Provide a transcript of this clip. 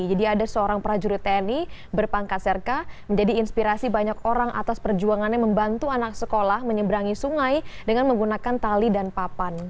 jadi ada seorang prajurit tni berpangkat serka menjadi inspirasi banyak orang atas perjuangannya membantu anak sekolah menyebrangi sungai dengan menggunakan tali dan papan